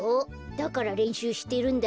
だかられんしゅうしてるんだよ。